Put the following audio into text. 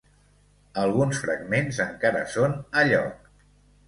Alguns fragments encara són a lloc.